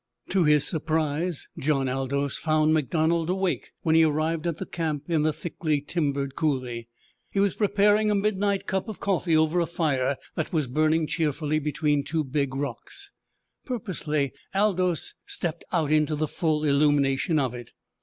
To his surprise, John Aldous found MacDonald awake when he arrived at the camp in the thickly timbered coulee. He was preparing a midnight cup of coffee over a fire that was burning cheerfully between two big rocks. Purposely Aldous stepped out into the full illumination of it.